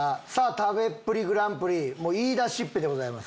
「食べっぷりグランプリ」言い出しっぺでございます。